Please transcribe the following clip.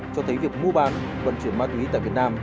cho thấy việc mua bán vận chuyển ma túy tại việt nam